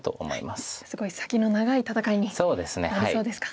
すごい先の長い戦いになりそうですか。